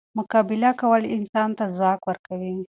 مقابله کول انسان ته ځواک ورکوي.